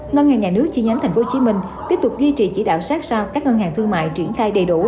ngân hàng nhà nước chi nhánh tp hcm tiếp tục duy trì chỉ đạo sát sao các ngân hàng thương mại triển khai đầy đủ